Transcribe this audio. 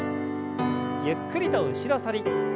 ゆっくりと後ろ反り。